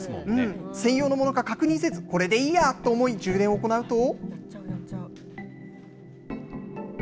専用のものか確認せず、これでいいやと思い、充電を行うと。